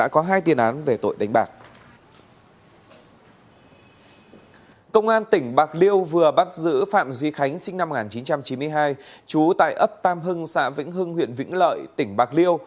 chú tại ấp tam hưng xã vĩnh hưng huyện vĩnh lợi tỉnh bạc liêu